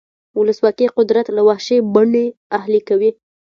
ولسواکي قدرت له وحشي بڼې اهلي کوي.